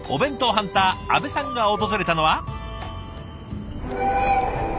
ハンター阿部さんが訪れたのは。